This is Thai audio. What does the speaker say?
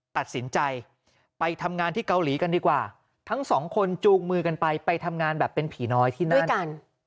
ตัดสินใจไปทำงานที่เกาหลีกันดีกว่าทั้งสองคนจูงมือกันไปไปทำงานแบบเป็นผีน้อยที่นั่น